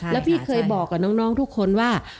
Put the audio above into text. แล้วพี่เคยบอกกับน้องทุกคนว่า